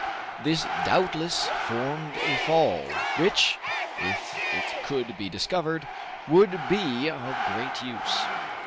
This doubtless formed a fall, which, if it could be discovered, would be of great use.